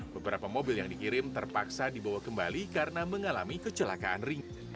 beberapa mobil yang dikirim terpaksa dibawa kembali karena mengalami kecelakaan ring